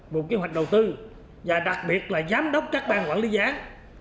bộ kế hoạch đầu tư và đặc biệt là giám đốc các bang quản lý dự án